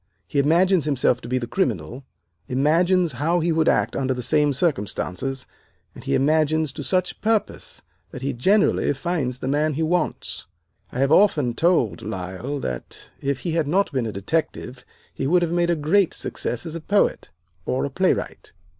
He imagines himself to be the criminal, imagines how he would act under the same circumstances, and he imagines to such purpose that he generally finds the man he wants. I have often told Lyle that if he had not been a detective he would have made a great success as a poet, or a playwright.